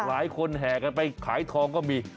หลายคนแห่กันไปขายทองก็มี